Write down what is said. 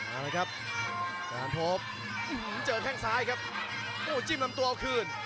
มาเลยครับสถานพบเจอแข่งซ้ายครับโอ้โหจิ้มลำตัวเอาคืน